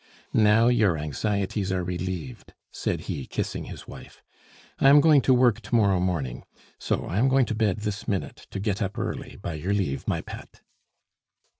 "Now your anxieties are relieved," said he, kissing his wife. "I am going to work to morrow morning. So I am going to bed this minute to get up early, by your leave, my pet."